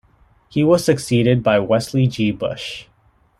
He was succeeded by Wesley G. Bush.